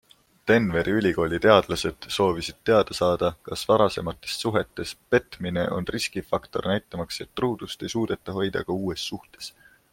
Denveri Ülikooli teadlased soovisid teada saada, kas varasematest suhetes petmine on riskifaktor näitamaks, et truudust ei suudeta hoida ka uues suhtes.